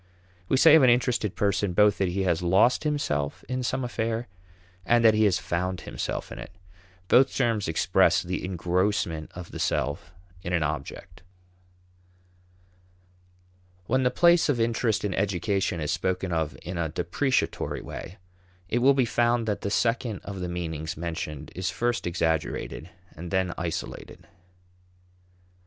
We say of an interested person both that he has lost himself in some affair and that he has found himself in it. Both terms express the engrossment of the self in an object. When the place of interest in education is spoken of in a depreciatory way, it will be found that the second of the meanings mentioned is first exaggerated and then isolated.